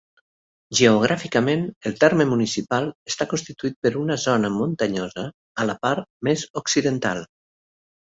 Geogràficament el terme municipal està constituït per una zona muntanyosa a la part més occidental.